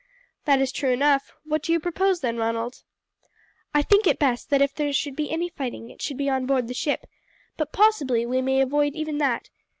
"That is true enough. What do you propose then, Ronald?" "I think it best that if there should be any fighting it should be on board the ship, but possibly we may avoid even that.